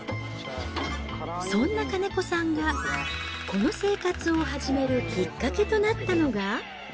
そんな金子さんがこの生活を始めるきっかけとなったのが。